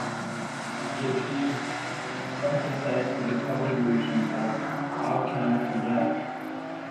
He achieved some success with a cover version of How Can I Forget?